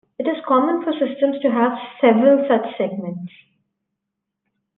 It is common for systems to have several such segments.